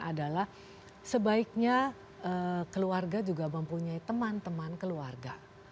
adalah sebaiknya keluarga juga mempunyai teman teman keluarga